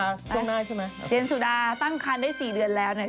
ช่วงหน้าใช่ไหมเจนสุดาตั้งคันได้๔เดือนแล้วเนี่ย